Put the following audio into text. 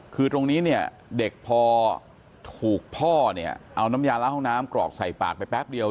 คือตรงนี้เนี่ยเด็กพอถูกพ่อเนี่ยเอาน้ำยาล้างห้องน้ำกรอกใส่ปากไปแป๊บเดียว